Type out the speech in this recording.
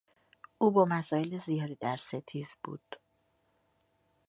او با مسایل زیادی در ستیز بود.